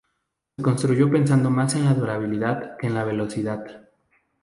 Se construyó pensando más en la durabilidad que en la velocidad.